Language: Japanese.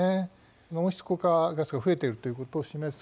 温室効果ガスが増えているということを示す